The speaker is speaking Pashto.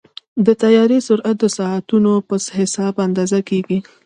د طیارې سرعت د ساعتونو په حساب اندازه کېږي.